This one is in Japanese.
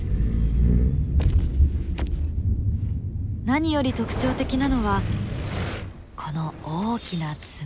何より特徴的なのはこの大きな爪。